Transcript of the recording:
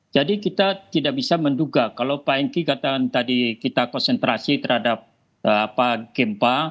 jadi kita tidak bisa menduga kalau pak enki katakan tadi kita konsentrasi terhadap gempa